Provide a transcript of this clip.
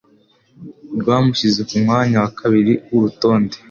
rwamushyize ku mwanya wa kabiri w'urutonde